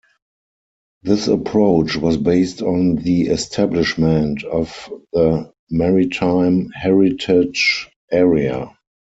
This approach was based on the establishment of the Maritime Heritage Area.